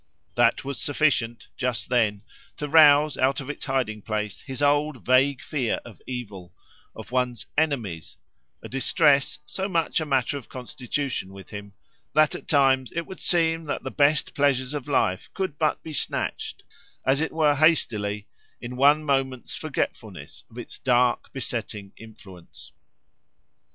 That was sufficient, just then, to rouse out of its hiding place his old vague fear of evil—of one's "enemies"—a distress, so much a matter of constitution with him, that at times it would seem that the best pleasures of life could but be snatched, as it were hastily, in one moment's forgetfulness of its dark, besetting influence.